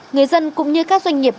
người dân cũng như các doanh nghiệp